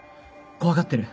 怖がってる。